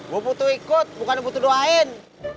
gue butuh ikut bukannya butuh doain